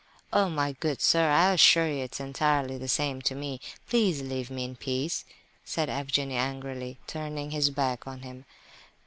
"Oh, my good sir, I assure you it's entirely the same to me. Please leave me in peace," said Evgenie, angrily, turning his back on him.